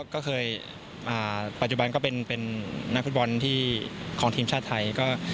ก็เคยปัจจุบันก็เป็นนักฟุตบอลของทีมชาติไทย